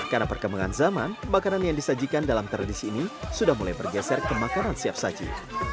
karena perkembangan zaman makanan yang disajikan dalam tradisi ini sudah mulai bergeser ke makanan siap saji